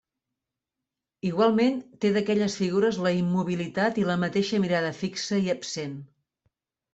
Igualment té d'aquelles figures la immobilitat i la mateixa mirada fixa i absent.